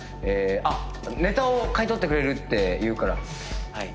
あっネタを買い取ってくれるって言うからはい。